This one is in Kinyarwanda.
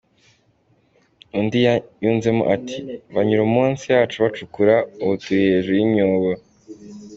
Undi yunzemo ati “Banyura munsi yacu bacukura, ubu turi hejuru y’imyobo.